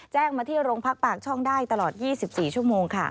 มาที่โรงพักปากช่องได้ตลอด๒๔ชั่วโมงค่ะ